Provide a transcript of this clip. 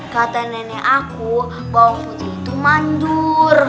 kata nenek aku bawang putih itu mandur